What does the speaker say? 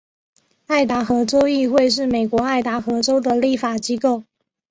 爱达荷州议会是美国爱达荷州的立法机构。